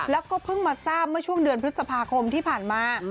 แล้วก็เพิ่งมาทราบเมื่อช่วงเดือนพฤษภาคมที่ผ่านมา